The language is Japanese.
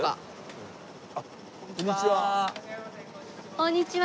こんにちは。